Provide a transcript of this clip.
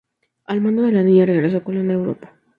Al mando de la "Niña" regresó Colón a Europa.